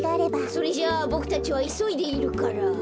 それじゃボクたちはいそいでいるから。